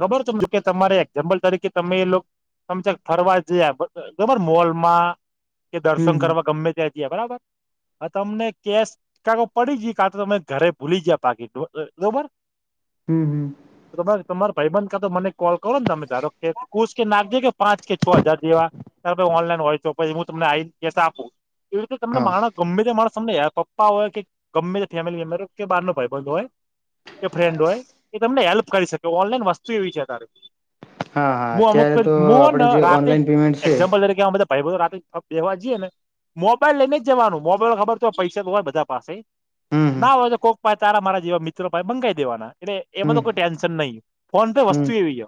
ખબર ત કે તમારે એક્ઝામ્પલ તરીકે તમે એ લો સમ ફરવા જ બબર મોલમાં કે દર્શન હમ કરવા ગમે ત્યા બરાબર હ તમને કેશ કા પડી ગઈ કા તો તમે ઘરે ભૂલી ગયા બાકી બરોબર હમ હમ રબ તમારા ભાઈ બંધ કા તો મને કોલ કરો ને તમે ધારો કે કુશ કે નાખજો કે પાંચ કે છ હજાર જેવા તારી પાસે ઓનલાઈન હોયછ હું તમને આપું એવી રીતે તમને હા માણસ ગમે તે માણ તમને હેર પપ્પા હોય કે ગમે તે ફેમિલી મે્બર કે બાર નો ભાઈ બંધ હોય કે ફ્રેન્ડ હોય એ તમને હેલ્પ કરી શકે ઓનલાઈન વસ્તુ એવી છે અત્યારે હા હા હું અત્યારે અમુક તો આપણે હુંને જે રાતે જ ઓનલાઈન પેમેન્ટ છે એક્ઝામ્પલ તરીક ભાઈબં બધા રાતે બેસવા જઈએ ને મોબાઈલ લઈને જવાનું મોબાઈલ ખબર છે પૈસા તો હોય બધા પાસે. હમ ના હોય તો કોક ભાઈ તારા મારા જેવા મિત્રો ભાય મંગાઈ દેવાના. એટલે હમ એમાં હમ તો કોઈ ટેન્શન નહી ફોન પે હમ વસ્તુ એવી છે.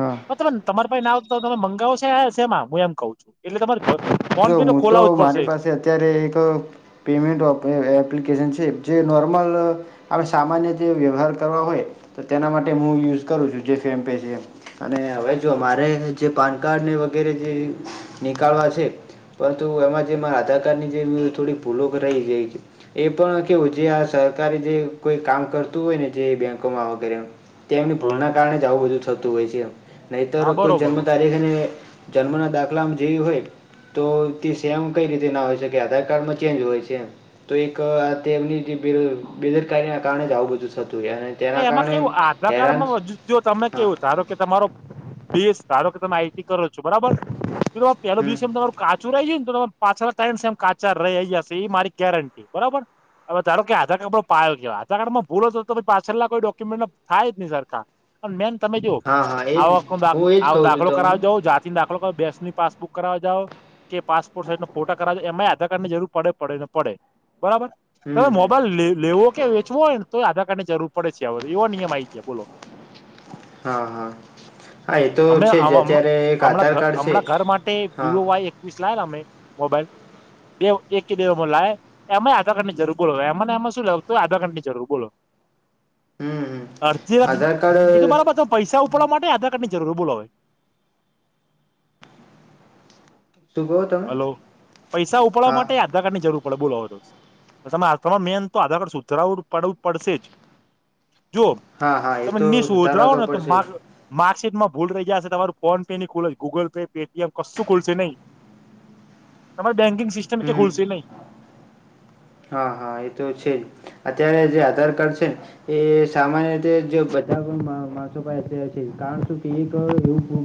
હા મતલબને તમારી પ ના આવ તમે મંગાવો છોમાં હું એમ કઉ છું એટલે તમારી જો હું તો મારી પાસે અત્યારે એક. પેમેન્ટ એપ્લિકેશન છે જે નોર્મલ આપ સામાન્ય જે વ્યવહાર કરવા હોય તો તેના માટે હું યુઝ કરું છું જે ફેમ પે છે. અને હવે જો મામારે જે પાન કાર્ડ ને વગેરે જે નીકળવા છે. પરંતુ એમાં જે મારા આધાર કાર્ડની જે થોડી ભૂલો કરાઈ જાય છે. એ પણ કેવું જે આ સરકારે જે કોઈ કામ કરતું હોય ને જે બેંકોમાં વગેરે તે એમની ભૂલ હા ના કારણે જ આવું બધું થતું હોય છે નહીતર હા કોઈ બરોબર જન્મ તારી હેને જન્મના દાખલામાં જેવી હોય તો તે સેમ કઈ રીતે ના હોય છે કે આધાર કાર્ડમાં ચેન્જ હોય છેમ તો એક તેમની જે બેદરકારીના કારણે જ આવું બધું થતું હોય અને તેના એમાં કેવું કારણે આધાર હેરાન જ- કાર્ડમાં જો તમે હા કેવું ધારો કે તમારો બેસ ધારો કે તમે આઈટી કરો છો બરાબર પેલો હમ બીસ એમ તમાર કાચું રહી જાય ને તો પાછળ ટાઈમ એમ કાચા રહી જશે એ મારી ગેરંટી બરોબર હવે ધારો કે આધાર ક્ડો પાયો કેવા આધાર ક્ડમાં ભૂલોતો હતોછ પાછળ ના કોઈ ડોક્યુમેન્ટ થાય જ નહી સરકાર પણ મેમ તમે જો હા હા એજ ને આખો હું એજ કહું છું દાખલો તમને કરાવી જ જાતે દાખલો બેસની પાસબુક કરાવ જાવ કે પાસપોર્ટ સાઈઝ ન ફોટા કરાવેો એમાંય આધાર કાર્ડ ની જરૂર પડે પડેને પડે બરાબર હમ તમે હમ મોબાઈલ લેવો કે વેચવો હોયને તો આધાર કાર્ડ ની જરૂર પડે છે આધ એવો નિયમ આ આવી ગાય બોલો હા હા હા એ તો અમે છે જ અત્યારે એક હમણાં આધાર કાર્ડ છે. હા સ લેલા અમે મોબાઈલ દેવ એક કે દેવ લ એમાં આધાર્ડની જરૂર બોલો એમાં એમાં લેવય તો આધાર કારડની જરૂર બોલો- હમ હમ અરજી આધાર એ તો કાર્ડ બરાબર છે પૈસા ઉપાડવા માટે આધાર કાર્ડ ની જરૂર બોલોવે શું કહો તમે હલો પૈસા ઉપાડવા હા માટે યાદ આધાર કાર્ડ ની જરૂર પડે બોલો તમામાં મેન તો આધાર કાર્ડ સુધરાવું પડવું પડશે જ જો હા હા એ તમે તો નીશ સુધારવા શોધરાવ ને તો પડશે માગ જ માર્કશીટ માં ભૂલહી ગયા હશે તમારું ફોન પે નની ખુલ જ ગૂગલ પે પેટીએમ કશું ખુલશે નહીં? તમારે બેન્કિંગ સિસ્ટમ હમ ખુલશે નહી? હા હા એ તો છે જ અત્યારે જે આધાર કાર્ડ છે. એ સામાન્ય રીતે જો બધા માણસો છે કારણ શ કે-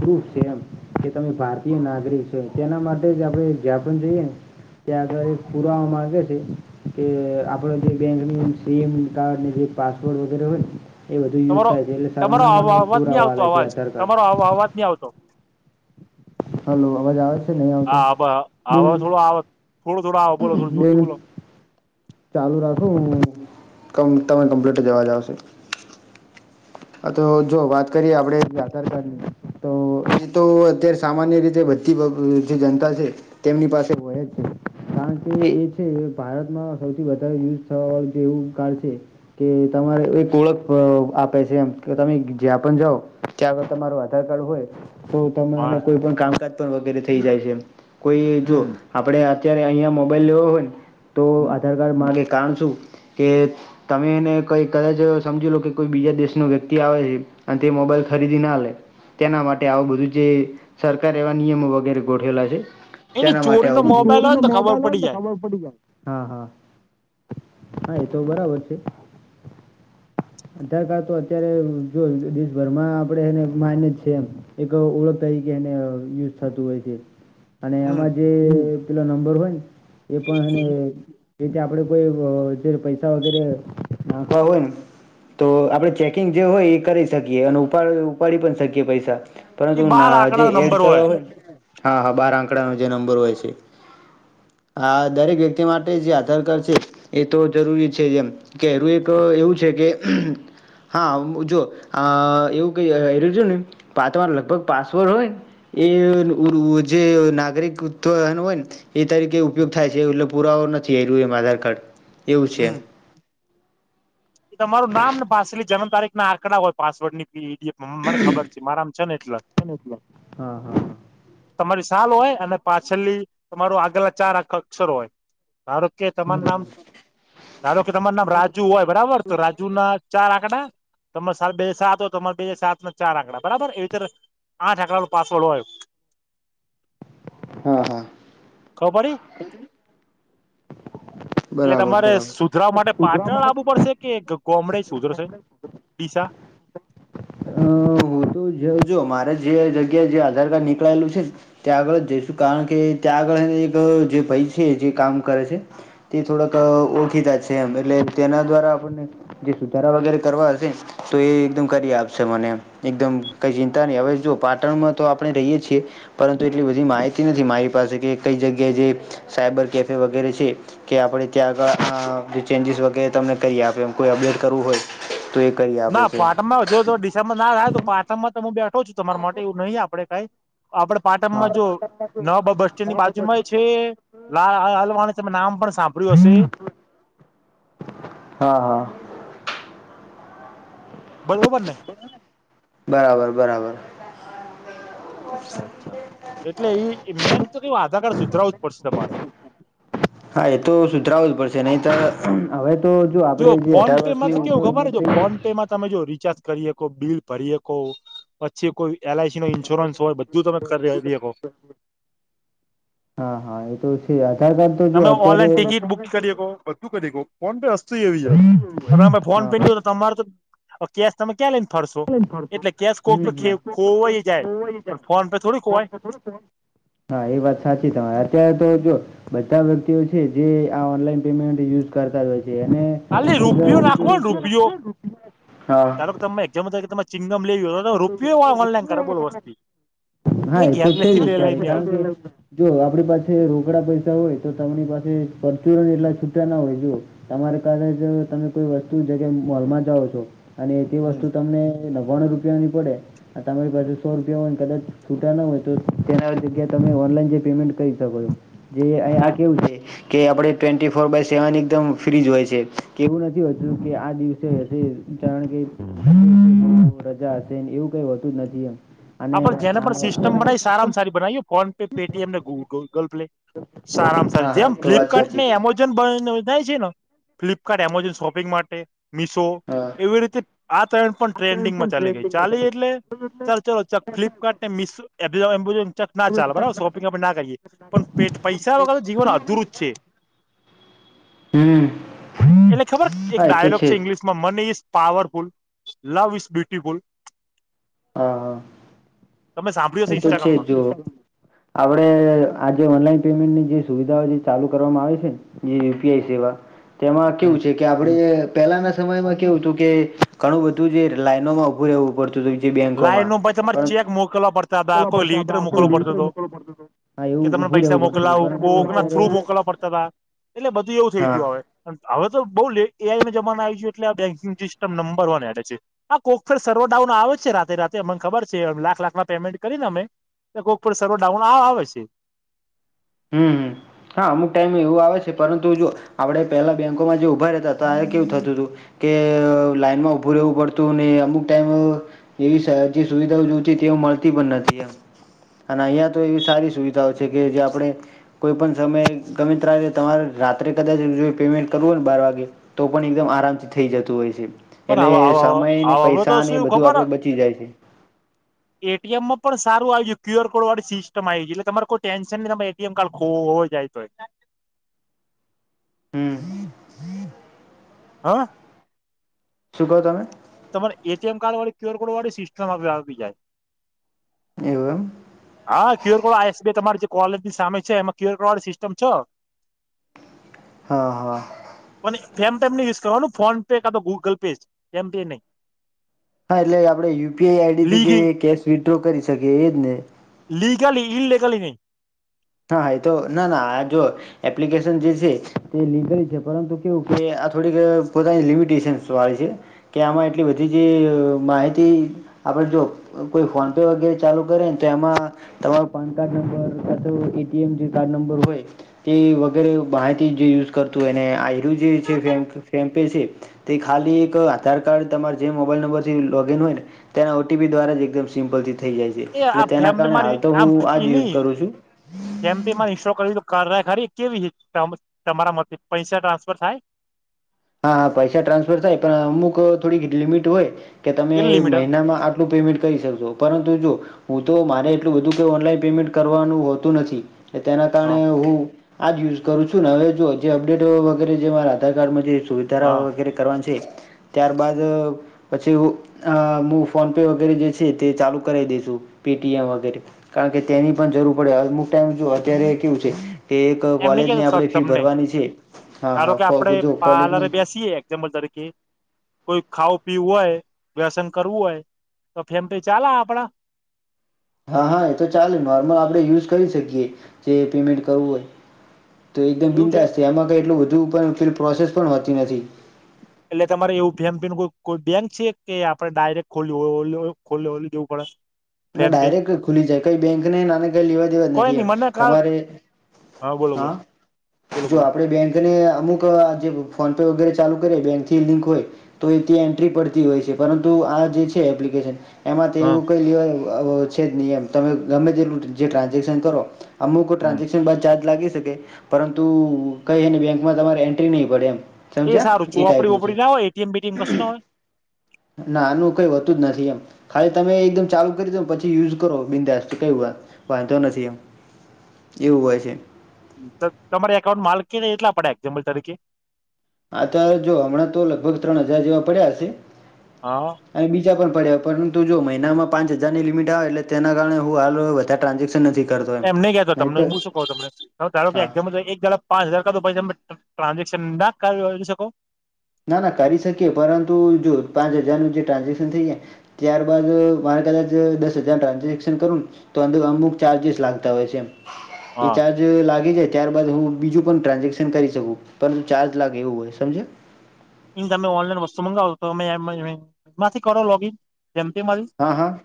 ખૂબ છેમ કે તમે ભારતીય નાગરિક છો. તેના માટે જ આપણે જ્યાં પણ જઈએ ને- ત્યા ગાડી પુરાવા માંગે છે. કે આપડ જે બેંક, સીમ, કાર જે પાસપોર્ડ વગેરે હોય- એ બધું યુઝ તમારો થાય છે, એટલે સારું તમારો નામનો અવાજ નહી પુરાવા આવતો આલે છે. અવાજ આધાર કાર્ડ- તમારો અવાજ નહી આવતો? હલો અવાજ આવે છે? નહીં આવતો? હા બે આવ મિનિટ થોડો આવ થોડો થોડા આવ બોલો થો બે જોરથી બોલો. મિનિટ ચાલુ રાખો હું કવ તમે કમ્પ્લીટ જ અવાજ. આવશે તો જો વાત કરીએ આપડે આધાર કાર્ડની, તો હમ. એ તો અતાર સામાન્ય રીતે બધી જે જનતા છે તેમની પાસે હોય જ છે. કારણ કે એ છે ભારતમાં સૌથી વધારે યુઝ થ જેવું કારડ છે. તો તમારે એ ઓળખ અહ આપ પેસે એમ કે તમે જ્યાં પણ જાઓ ત્યાં આગળ તમારું આધાર કાર્ડ હોય તો તમે એને હા કોઈ પણ કામકાજ પણ વગેરે થઈ જાય છે એ કોઈ જો હમ આપડે અત્યારે અહિયાં મોબાઈલ લેવો હોય ને તો હમ આધર કાર્ડ માગે કારણ શું કે તમે એને કઈ કદાચ સમજી લો કે કોઈ બીજા દેશ થી વ્યક્તિ આવે ને તે મોબાઈલ ખરીદી ના લે તેના માટે આ બધું જે સરકાર એવા નિયમો વગેરે ગોઠવેલા છે. એની તેના માટે ચોરીનો મોબાઈલ હોય ને તો ખબર પડી જાય આવ બધું હા હા. હા એતો બરાબર છે. અધાર કાડ તો અત્યારે જો દેશભરમાં આપડે એને માઇને છે એમ. એક ઓળખ તરીકે એને યુઝ થતું હોય છે. અને હમ એમાં જે પેલો નંબર હોય ને એ પણ એને જેથી આપડે કોઈ અહ જે પૈસા વગેરે નાખવા હોય ને તો આપડે ચેકિંગ જે હોય એ કરી શકીએ. અને ઉપ ઉપાડી પણ શકીએ પૈસા. એ પરંતુ બાર ના જે આંકડા એડ નંબર કરવા હોય હા હા બાર આંકડાનો જે નંબર હોય છે. હા, દરેક વ્યક્તિ માટે જે આધાર કાર્ડ છે એ તો જરૂરી છે જેમ કેરું એક એવું છે કે હા જો અહ એવું કઈ એજ ને તમાર લગભગ પાસવર્ડ હોય ને એ ઓલું જે નાગરિકત્વન હોય ને એ તરીકે ઉપયોગ થાય છે, એટલે પુરાવા નથી, એરિયુ એમ આધાર કાર્ડ એવું છે. હમ એ તમારું નામ ને પાસલી જન્મ તારીખ ના આંકડા હોય પાસવર્ડ પી ડી એમ. મને ખબર છે મારામ છ ને એટલે. હા હા તમારી સાલ હોય અને પાછલી તમારું આગળલા ચાર આ અક્ષર હોય. ધારો કે તમારૂ નામ ધારો કે તમાર નામ રાજુ હોય બરાબર. તો રાજુ ના ચાર આંકડા તમારે સાલ બે સાત હોય તમારે બે સાત ના ચાર આંકડા બરાબર એવી રીતે આઠ આંકડા નો પાસવર્ડ હોય. હા, હા. ખબર પડી? એટલે બરાબર તમારે બરાબર સુધરા માટે પાટણ આવવું પડશે? કે ગો-ગોમડે સુધર સે ડીસા. અહ હું તો જો જો મારે જે જગ્યાએ જે આધાર કાર્ડ નીકળાયેલું છે ને ત્યાં આગળ જ જઈશું. કારણ કે ત્યાં આગળ એને એક જે ભાઈ છે જે કામ કરે છે તે થોડાક અહ ઓળખીતા છે એમ, એટલે તેના દ્વારા આપણને જે સુધારા વગેરે કરવા હશે તો એ એકદમ કરી આપ શે મને એકદમ કંઈ ચિંતા નહીં. હવે જો પાટણમાં તો આપણે રહીએ છીએ. પરંતુ એટલી બધી માહિતી નથી મારી પાસે, કે કઈ જગ્યાએ જે સાયબર કેફે વગેરે છે કે આપડે ત્યાં આગળ અહ ચેન્જીસ વગેરે તમને કરી આપે એ કોઈ એબલેટ કરવું હોય તો એ કરી આપે ના છે પાટણ માં જો ડિસેમ્બર ના થાય તો પાટણમાં તો હું બેઠો છું તમારા માટે એવું નહીં આપડે કઈ. આપડે હા પાટણમાં જો નો બસ સ્ટેન્ડ ની બાજુમાં છે લા હાલવાણી તમે નામ પણ સાંભળ્યું હશે. હા, હા. બરોબર ને? બરાબર, બરાબર. અચ્છા અચ્છા. એટલે એ મેન તો કેવું આધાર કાર્ડ સુધરાવું જ પડશે તમારે. હા, એ તો સુધરાવું જ પડશે નહી તો હવે તો જો આપડે જે ફોન અઢાર પે માં વર્ષની તો ઉ કેવું ખબર ઉમર હે, જો થઈ ફોન પે માં તમે જો રિચાર્જ કરી શકો બિલ ભરી હકો પછી કોઈ એલ આઈસી નો ઇન્સ્યોરન્સ હોય બધું તમે કરીહકો હા હા એ તો છે આધાર કાર્ડ તો જો તમે અત્યારે ઓનલાઈન ટિકિટ બુક કરી હકો બધું કરી હકો ફોન પે વસ્તુ એવી છે ફોન પે ની હોય તમારે કેશ તમે ક્યાં લઈ ને ફરશો એટલે કેશ કોક ખોવાય જાય પણ ફોન પે થોડી ખોવાય હા એ વાત સાચી તમારે અત્યારે તો જો બધા વ્યક્તિઓ છે જે આ ઓનલાઈન પેમેન્ટ યુઝ કરતા જ હોય છે ખાલી અને રૂપિયો નાખવો ને રૂપિયો [unintelligible] હા ધારો કે તમે એક્ઝામ ત કે તમે ચિંગમ લઈ હ [unintelligible] હા એ તો છે જ ઘેરલેસથી લે લઈને આવતી અત્યારે જો આપણી પાસે રોકડા પૈસા હોય તો તમારી પાસે પરચુરણ એટલા છૂટા ના હોય જો તમારે કલે જ તમે કોઈ વસ્તુ જગ્યા મોલમાં જાઓ છો અને તે વસ્તુ તમને નવ્વાણું રૂપિયાની પડે આ તમારી પાસે સો રૂપિયા હોય ને કદાચ છૂટા ન હોય તો તેના જગ્યાએ તમે ઓનલાઈન જે પેમેન્ટ કરી શકો છો જે અહી આ કેવું છે કે આપડે ટ્વેન્ટી ફોર બાય સેવન એકદમ ફ્રીજ હોય છે કેવું નથી હોતું કે આ દિવસે કારણ કે રજા હશે એવું કઈ હોતું જ નથી એમ અને આપડ જેને આ પણ સિસ્ટમ હા બનાવી સારામાં સારી બનાવીએ ફોન પે પેટીએમ ને ગ ગુગલ પેલે સારામાં સારી હા જેમ એ તો વાત ફ્લિપકાર્ટ સાચી ને એમો ઝોન બનાવી છે ન ફ્લિપકાર્ટ એમેઝોન શોપિંગ માટે મિશો હા એવી રીતે આ ટ્રેડ પણ ટ્રેન્ડિંગમાં ચાલી ગઈ ચાલી એટલે ચાલ ચાલ ફ્લિપકાર્ટ ને મિશો એમેઝો એમેઝોન ક ના ચાલ બરાબર શોપિંગ આપણે ના કરીએ પણ પેટ પૈસા વગર જીવન અધુરુ જ છે. [inaudible] એટલે ખબર એક હા એ તો ડાયલોગ છે જ ઇંગ્લિશ માં money is powerful love is beautiful હા હા તમે સાં હું તો છે જો આપણે આજે ઓનલાઈન પેમેન્ટની જે સુવિધાઓ જે ચાલુ કરવામાં આવે છે ને જે યુપીઆઈ સેવા તેમાં કેવું છે કે આપણે પહેલાના સમયમાં કેવું હતું કે ઘણું બધું જે લાઈનોમાં ઉભું રહેવું પડતું [unintelligible] બેંકોમાં પણ મોકલા પર મોકલવા પડતા હતા કે તમને આપડે [unintelligible] તા એટલે બધું એવું થઈ ગયું હવે હવે તો બઉ લે એઆઈ ના જમાના આવી ગયા એટલે આ બેંકિંગ સિસ્ટમ નંબર વન એડે છે. હા કોકફેર સર્વર ડાઉન આવે છે રાતે રાતે અમને ખબર છે લાખ લાખ ના પેમેન્ટ કરીને અમે કોક પણ સર્વર ડાઉન આ આવે છે. હમ હા અમુક ટાઈમ એવું આવે છે પરંતુ જો આપણે પહેલાં બેંકોમાં જે ઊભા રહેતા હતા કેવું થતું હતું કે લાઈનમાં ઉભું રહેવું પડતું ને અમુક ટાઈમ એવી સુવિધાઓ જો છે તેઓ મળતી પણ નથી એમે અને અહીંયા તો એવી સારી સુવિધાઓ છે કે જે આપણે કોઈ પણ સમય ગમે ત તમારે રાત્રે કદાચ જોઈએ પેમેન્ટ કરવું હો ને બાર વાગે તો પણ એકદમ આરામથી થઇ જતું હોય છે. એટલે પણ સમય ને હવે તો પૈસા ને શું એ બધું આપડે બચી જાય છે. એટીએમ માં પણ સારું આવીયું ક્યુઆર કોડ વાળી સિસ્ટમ આવી ગ છે એટલે તમારે કોઈ ટેન્શન નહી તમા ટીએમ કાર્ડ ખો હો જાય તોય હમ હા. શું કહો તમે. તમારે એટીએમ કાર્ડ વાળી ક્યુઆર કોડ વાળી સિસ્ટમ આવી જાય. એવું એમ. હા ક્યુર કોડસ તમારી જે કોલેજની સામે છે એમાં ક્યુરડ વાળી સિસ્ટમ છે. હા હા. મ યુઝ કરવાનું ફોન પે કા તો ગુગલ પે જ એમ પે નહી. હા એટલે આપણેે યુપીઆઈ આઈડી નહી થી જે લીગી કેશ વિડ્રો કરી શકીએ એજ ને. લીગલી ઇ લગલી નહી. હા હા એ તો ના ના આ જો. એપ્લિકેશન જે છે તે લીકલ છે પરંતુ કેવું કે આ થોડીક પોતાની લિમિટેશન વાળી છે. કે આમાં એટલી બધી જે માહિતી. આપડ જો કોઈ ફોન પે વગેરે ચાલુ કરેને તો એમાં. તમારો પાન કાર્ડ નંબર અથ એટીમ જે નંબર હોય. તે વગેરે બહારથી જે યુઝ કરતું હોય અને આર જે છે ફેમ્ ફેમ્પે છે. તે ખાલી એક આધાર કાર્ડ તમાર જે મોબાઈલ નંબર થી લોગઈન હોય ને તેના ઓટીપી દ્વારા જ એકદમ સિમ્પલથી થઈ જાય છે એ આ એટલે તેના ફેમ પે કારણે હાલ મારી તો હું આજ યુઝ કરું છું. જેમ પે માં ઇન્સ્ટોલ કરવી તો કારાય ખરી કેવી તમારા માટે પૈસા ટ્રાન્સફર થાય. હા હા પૈસા ટ્રાન્સફર થાય પણ અમુક થોડી લિમિટ હોય કે તમે કેટલી લિમિટ મહિનામાં. આપું પેમેન્ટ કરી શકશો પરંતુ જો. હું તો મારે એટલું બધું કે ઓનલાઈન પેમેન્ટ કરવાનું હોતું નથી. તેના હ કારણે હું આજ યુઝ કરું છું ને હવે જો જે અપડેટ વગેરે જે મારા આધાર કાર્ડમાં જે. સુવિધા હ વગેરે કરવાની છે ત્યારબાદ. પછીું ફોન પે વગેરે જે છે તે ચાલુ કરાવ દેસુ પેટીએમ વગેરે. કારણ કે તેની પણ જરૂર પડે અમુક ટાઈમ જો અત્યારે કેવું છે. કે એક એમને કોલેજ કે ની આપણેે ફી તમને ભરવાની છે હા આપડે હ જો કોલેજ. પાર્લરે બેસીએ જ્લ તારે કે. કોઈ ખાવું પીવું હોય વ્યસન કરવું હોય તો ફેમ ચાલે આપડે. હા હા એ તો ચાલે નોર્મલ આપણે યુઝ કરી શકીએ જે પેમેન્ટ કરવું હોય. તો એકદમ બિતાસ્ છે એમાં કઈ એટલું બધું પ્રોસેસ પણ હોતી નથી. એટલે તમારે એવું ભ કોઈ બેંક છે કે આપડણે ડાયરેક્ટ ખોલી ખોલવું. ના ડાયરેક્ટ ખુલી જાય કઈ બેંકને નાને કઈ લેવા દેવા કોઈ નથી નઈ એમ મને કાલ તમારે. બોલો બોલો હા બોલો જો બોલો આપડે બેન તેને અમુક જે ફોન પે વગેરે ચાલુ કરે બેંક થી લિંક હોય. તો એ ત્યાં એન્ટ્રી પડતી હોય છે પરંતુ આ જે છે એપ્લિકેશન. એમાં તે હા એવું કંઈ લેવા છે જ નહીં એમ તમે ગમે તેટલું જે ટ્રાન્ઝેક્શન કરો. અમુક હમ ટ્રાન્ઝેક્શન બાદ ચાર્જ લાગી શકે. પરંતુ કઈને બેંકમાં તમારે એન્ટ્રી નહીં પડે એમ. એ સમજ્યા સારું ચોપડી ટાઈપનું છે વપડી ના હોય એટીએમ બીટીએમ કશું ના હોય. ના આનું કઈ વધતું જ નથી એમ. ખાલી તમે એકદમ ચાલુ કરી દો પછી યુઝ કરો બિંદાસ ક વાત વાંધો નથી એમ. એવું હોય છે. તમારી એકાઉન્ટ માલ એટલા પડે એક્ઝામ્પલ તરીકે? અ ત્યારે જો હમણાં તો લગભગ ત્રણ હજાર જેવા પડ્યા હશે. હા અ. અને બીજા પણ પડ્યા પરંતુ જો મહિનામાં પાંચ હજારની લિમિટ આવે એટલે તેના કારણે હું હાલ વધારે ટ્રાન્ઝેક્શન નથી- - એમ ન ગયાતો તમને હું શું ક તને ધારો હા કેામ એક જડા- - પાંચ હજાર કરા તો પછી તમે ટ્રાન્ઝેક્શન ના કર શકો? ના ના કરી શકીએ પરંતુ જો પાંચ હજાર ન જે ટ્રાન્ઝેક્શન થઈ જાય- - ત્યારબાદ મારે કદાચ દસ હજાર ટ્રાન્ઝેક્શન કરું ને- - તો અંદર અમુક ચાર્જિસ લાગતા હોય છે એમ એ હા ચાર્જ જ લાગી જાય ત્યારબાદ હું બીજું પણ ટ્રાન્ઝેક્શન કરી શકું. પરંતુ ચાર્જ લાગે એવું હોય સમજ્યા? એમ તમે ઓનલાઈન વસ્તુ મગાવો તો તમે માંથી કરો લોગીન જેમ પે માંથી? હા હા.